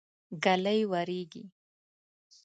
ږلۍ وريږي.